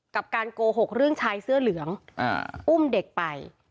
กับการโกหกเรื่องชายเสื้อเหลืองอุ้มเด็กไป